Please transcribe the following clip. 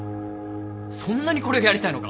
そんなにこれがやりたいのか？